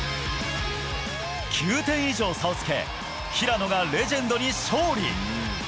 ９点以上差をつけ平野がレジェンドに勝利。